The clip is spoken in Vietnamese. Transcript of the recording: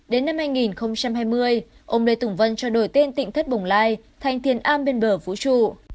đến năm hai nghìn hai mươi ông lê tùng vân cho đổi tên tỉnh thất bồng lai thành thiên am bên bờ vũ chu